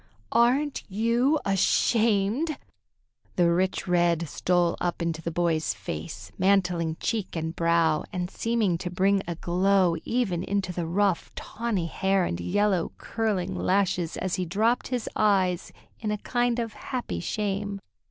"Aren't you ashamed?" The rich red stole up into the boy's face, mantling cheek and brow, and seeming to bring a glow even into the rough, tawny hair and yellow, curling lashes, as he dropped his eyes in a kind of happy shame.